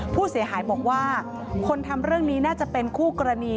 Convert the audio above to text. ผู้เสียหายบอกว่าคนทำเรื่องนี้น่าจะเป็นคู่กรณี